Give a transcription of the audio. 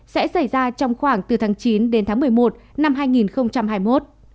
sẽ xảy ra trong khoảng từ tháng chín đến tháng một mươi một năm hai nghìn hai mươi một